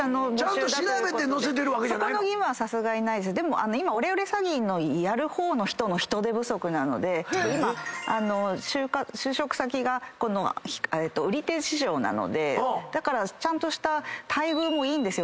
でも今オレオレ詐欺のやる方の人の人手不足なので今就職先が売り手市場なのでだからちゃんとした待遇もいいんですよ